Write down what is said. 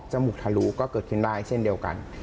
มูกทะลุก็เกิดขึ้นได้เช่นเดียวกัน